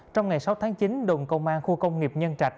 trong ngày sáu tháng chín đồn công an khu công nghiệp nhân trạch